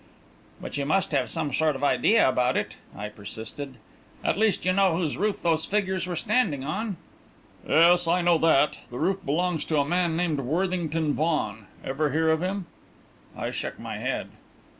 "But you must have some sort of idea about it," I persisted. "At least you know whose roof those figures were standing on." "Yes, I know that. The roof belongs to a man named Worthington Vaughan. Ever hear of him?" I shook my head.